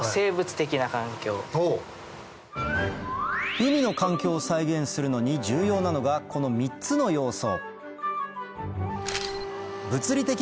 海の環境を再現するのに重要なのがこの３つの要素